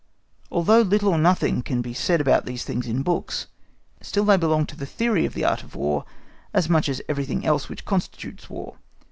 Although little or nothing can be said about these things in books, still they belong to the theory of the Art of War, as much as everything else which constitutes War.